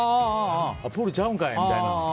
プールちゃうんかい、みたいな。